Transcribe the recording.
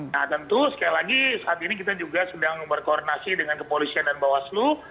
nah tentu sekali lagi saat ini kita juga sedang berkoordinasi dengan kepolisian dan bawaslu